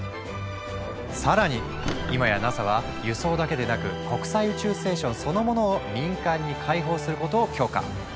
さらに今やＮＡＳＡは輸送だけでなく国際宇宙ステーションそのものを民間に開放することを許可。